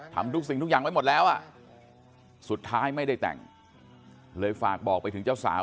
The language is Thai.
ทำทุกสิ่งทุกอย่างไว้หมดแล้วอ่ะสุดท้ายไม่ได้แต่งเลยฝากบอกไปถึงเจ้าสาว